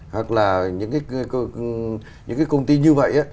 hoặc là những cái công ty như vậy